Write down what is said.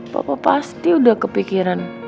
papa pasti udah kepikiran